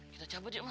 kita cabut yuk malah